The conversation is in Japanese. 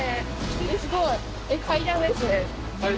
すごい！